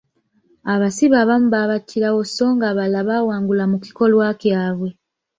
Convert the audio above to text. Abasibe abamu baabattirawo so ng'abalala bawangula mu kikolwa kyabwe.